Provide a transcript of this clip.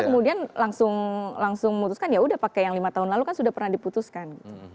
kemudian langsung memutuskan ya udah pakai yang lima tahun lalu kan sudah pernah diputuskan